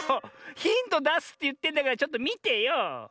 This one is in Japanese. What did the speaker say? ヒントだすっていってんだからちょっとみてよ。